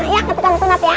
ya ketukang sunat ya